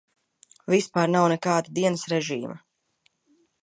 Vispār nav nekāda dienas režīma.